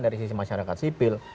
dari sisi masyarakat sipil